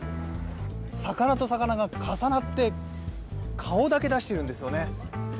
魚と魚が重なって顔だけ出しているんですよね。